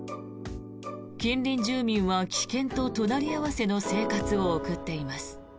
近隣住民は危険と隣り合わせの生活を送っています。